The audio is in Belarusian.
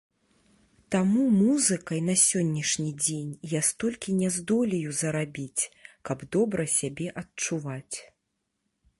Таму музыкай на сённяшні дзень я столькі не здолею зарабіць, каб добра сябе адчуваць.